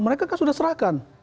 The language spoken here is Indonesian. mereka kan sudah serahkan